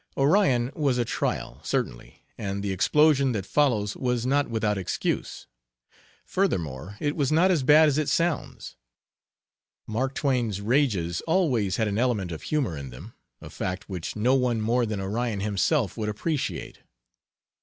Orion was a trial, certainly, and the explosion that follows was not without excuse. Furthermore, it was not as bad as it sounds. Mark Twain's rages always had an element of humor in them, a fact which no one more than Orion himself would appreciate.